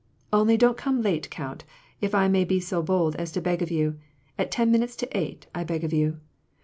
" Only don't come late, count, if I may be so bold as to beg of you ; at ten minutes to eight, I beg of you.